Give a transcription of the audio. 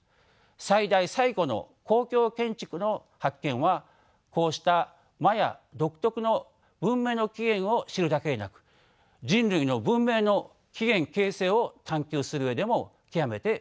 最大最古の公共建築の発見はこうしたマヤ独特の文明の起源を知るだけでなく人類の文明の起源形成を探求する上でも極めて重要です。